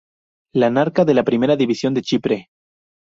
Larnaca, de la Primera División de Chipre.